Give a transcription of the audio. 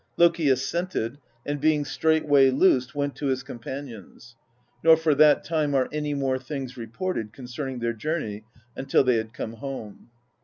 Loki as sented, and being straightway loosed, went to his com panions; nor for that time are any more things reported concerning their journey, until they had come home.